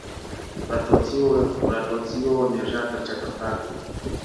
راټول سوی وه مېږیان تر چتر لاندي-